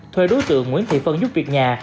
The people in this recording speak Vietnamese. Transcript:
thuê đối tượng nguyễn thị phân giúp việc nhà